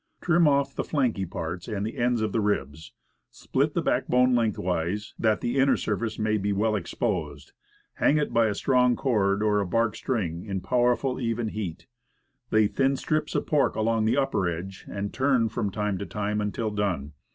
Trim off the flanky parts and ends of the ribs; split the backbone lengthwise, that the inner surface may be well exposed; hang it by a strong cord or bark string in a powerful, even heat; lay thin strips of pork along the upper edge, and turn from time to time until done.